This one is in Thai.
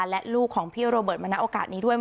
และลูกของพี่โรเบิร์ตมาณโอกาสนี้ด้วย